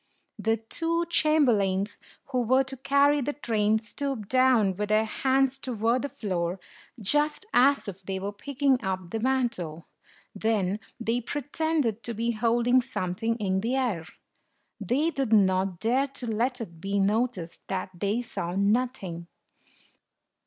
The two chamberlains who were to carry the train stooped down with their hands toward the floor, just as if they were picking up the mantle; then they pretended to be holding something in the air. They did not dare to let it be noticed that they saw nothing.